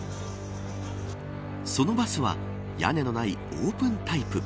そのバスは屋根のないオープンタイプ。